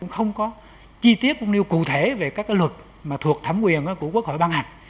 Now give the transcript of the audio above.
không có chi tiết cũng nêu cụ thể về các luật mà thuộc thẩm quyền của quốc hội ban hành